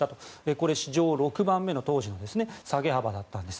これ、史上６番目の当時の下げ幅だったんです。